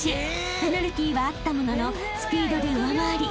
［ペナルティーはあったもののスピードで上回り